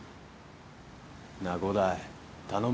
なあ伍代頼むよ。